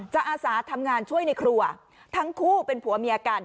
อาสาทำงานช่วยในครัวทั้งคู่เป็นผัวเมียกัน